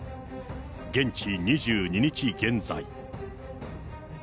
現地２２日現在。